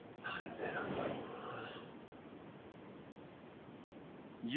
なんでなんだろうな。